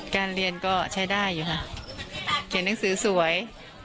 การเรียนก็ใช้ได้อยู่ค่ะเขียนหนังสือสวย